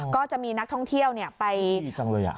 ก็จะมีนักท่องเที่ยวไปดีจังเลย